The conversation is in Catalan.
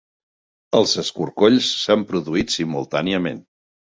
Els escorcolls s'han produït simultàniament